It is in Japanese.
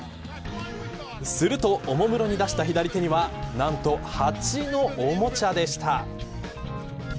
するとおもむろにだした左手には何と、ハチのおもちゃでした。